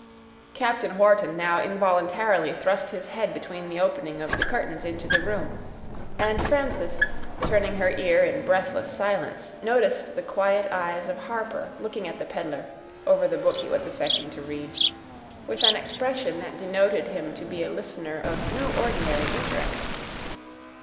Captain Wharton now involuntarily thrust his head between the opening of the curtains into the room; and Frances, turning her ear in breathless silence, noticed the quiet eyes of Harper looking at the peddler, over the book he was affecting to read, with an expression that denoted him to be a listener of no ordinary interest.